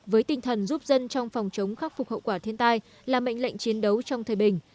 với tinh thần giúp dân trong phòng chống khắc phục hậu quả thiên tai là mệnh lệnh chiến đấu trong thời bình